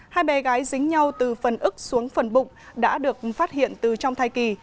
hai bé gái dính nhau từ phần ức xuống phần bụng đã được phát hiện từ trong thai kỳ